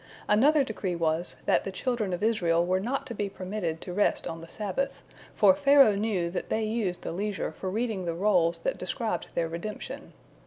Another decree was, that the children of Israel were not to be permitted to rest on the Sabbath, for Pharaoh knew that they used the leisure for reading the rolls that described their redemption.